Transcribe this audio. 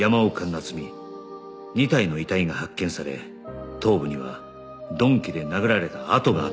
夏美２体の遺体が発見され頭部には鈍器で殴られた痕があった